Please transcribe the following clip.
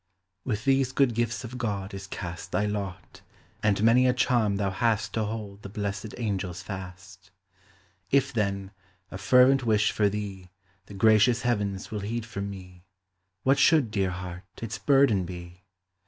With these good gifts of God is cast Thy lot, and many a charm thou hast To hold the blessed angels fast. If, then, a fervent wish for thee The gracious heavens will heed from me, What should, dear heart, its burden be?